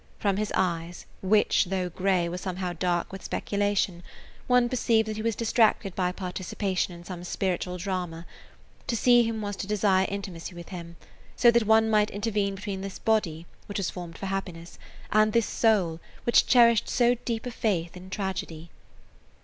From his eyes, which, though gray, were somehow dark with speculation, one perceived that he was distracted by participation in some spiritual drama. To see him was to desire intimacy with him, so that one might intervene between this body, which was formed for happiness, and this soul, which cherished so deep a faith in tragedy.